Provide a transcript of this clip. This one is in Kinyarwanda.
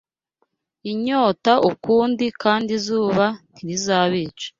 inyota ukundi kandi izuba ntirizabica